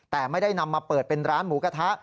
แต่ไม่ได้นำมาเปิดเป็นร้านหมูกระทะ